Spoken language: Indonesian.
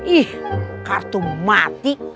ih kartu mati